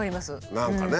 何かね。